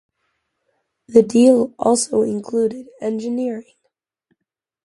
The deal also included engineering.